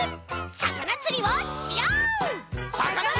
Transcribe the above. さかなつりをしよう！